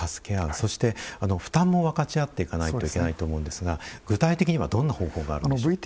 そして負担も分かち合っていかないといけないと思うんですが具体的にはどんな方法があるでしょうか。